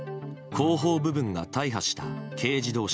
後方部分が大破した軽自動車。